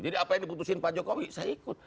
jadi apa yang diputusin pak jokowi saya ikut